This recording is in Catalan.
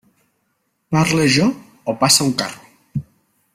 Parle jo o passa un carro?